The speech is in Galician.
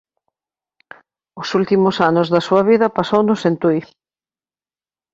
Os últimos anos da súa vida pasounos en Tui.